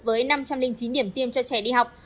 với năm trăm linh chín điểm tiêm cho trẻ đi học